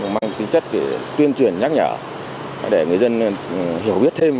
mang tính chất để tuyên truyền nhắc nhở để người dân hiểu biết thêm